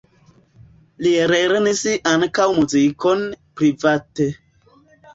Li lernis ankaŭ muzikon private.